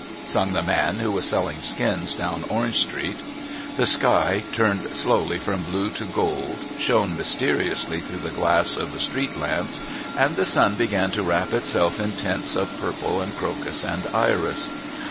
sung the man who was selling skins down Orange Street. The sky, turning slowly from blue to gold, shone mysteriously through the glass of the street lamps, and the sun began to wrap itself in tints of purple and crocus and iris.